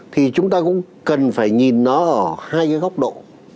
thì chúng ta cũng cần phải nhìn nó ở hai cái góc độ